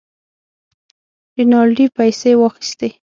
رینالډي پیسې واخیستې.